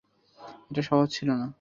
এটা সহজ ছিল না।